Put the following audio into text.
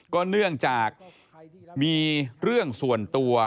ก็เนื่องจากมีเรื่องส่วนตัว